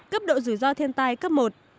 cấp độ rủi ro thiên tai cấp một